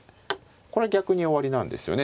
これ逆に終わりなんですよね。